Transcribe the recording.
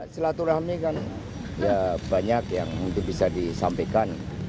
selaturahmi kan banyak yang bisa disampaikan